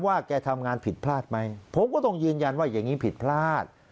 แกทำงานผิดพลาดไหมผมก็ต้องยืนยันว่าอย่างนี้ผิดพลาด